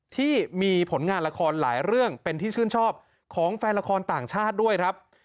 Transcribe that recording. ที่มีผลงานละครหลายเรื่องเป็นที่ชื่นชอบของแฟนละครต่างชาติด้วยครับ